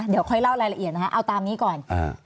เดี๋ยวค่อยเล่ารายละเอียดนะคะเอาตามนี้ก่อน